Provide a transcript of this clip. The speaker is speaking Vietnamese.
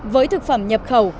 với thực phẩm nhập khẩu